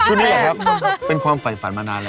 ชุดนี้เหรอครับเป็นความฝันมานานแล้ว